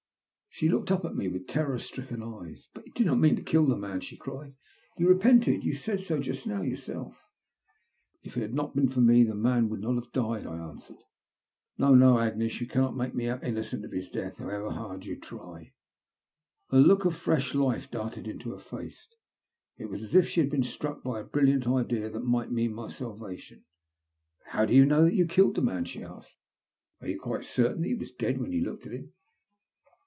She looked up at me with terror stricken eyes. '' But you did not mean to kill the man," she eried. You repented — you said bo just now jrourselL 216 THE LUST OF HATE. If it had not been for me the man wooIJ not have died," I answered. " No, no ! Agnes, yon can not make me out innocent of his death, however hard you try." A look of fresh life darted into her face. It was as if she had been struck by a brilliant idea that might mean my salvation. "But how do you know that you killed the man?" she asked. '*Are you quite certain that he was dead when you looked at him?